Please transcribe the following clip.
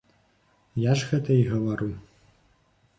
Я ж гэта і гавару.